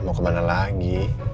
mau kemana lagi